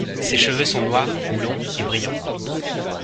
Ses cheveux sont noirs, longs et brillants.